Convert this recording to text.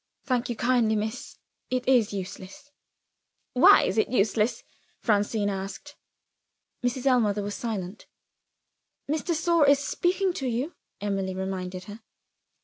"Thank you kindly, miss; it is useless." "Why is it useless?" Francine asked. Mrs. Ellmother was silent. "Miss de Sor is speaking to you," Emily reminded her.